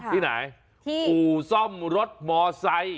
ที่ไหนอู่ซ่อมรถมอไซค์